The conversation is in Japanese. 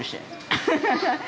アハハハ！